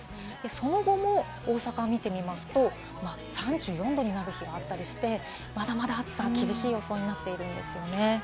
その後も大阪を見てみますと、３４度になる日があったりして、まだまだ暑さ、厳しい予想になっているんですね。